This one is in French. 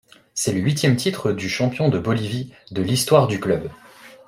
C'est le huitième titre de champion de Bolivie de l'histoire du club.